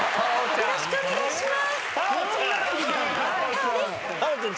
よろしくお願いします。